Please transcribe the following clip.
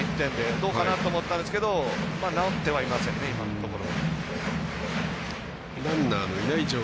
どうかなと思ったんですけど直ってはいませんね、今のところ。